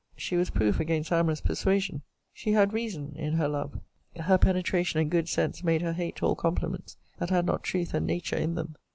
She was proof against amorous persuasion. She had reason in her love. Her penetration and good sense made her hate all compliments that had not truth and nature in them.